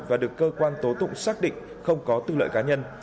và được cơ quan tố tụng xác định không có tư lợi cá nhân